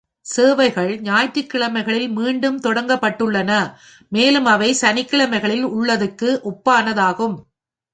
சேவைகள் ஞாயிற்றுக்கிழமைகளில் மீண்டும் தொடங்கப்பட்டுள்ளன, மேலும் அவை சனிக்கிழமைகளில் உள்ளதற்கு ஒப்பானதாகும்.